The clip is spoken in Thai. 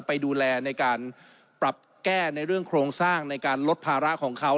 ไปดูแลในการปรับแก้ในเรื่องโครงสร้างในการลดภาระของเขา